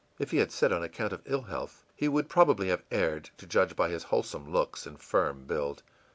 If he had said on account of ill health, he would probably have erred, to judge by his wholesome looks and firm build.